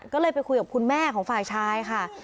ก็เลยไปคุยกับคุณแม่ของฝ่ายชายค่ะ